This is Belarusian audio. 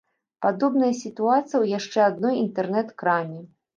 Падобная сітуацыя ў яшчэ адной інтэрнэт-краме.